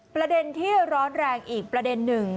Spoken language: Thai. ประเด็นที่ร้อนแรงอีกประเด็นหนึ่ง